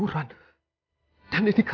era apa itu okel